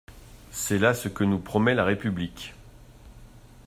C'est là ce que nous promet la République!